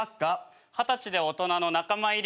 二十歳で大人の仲間入り。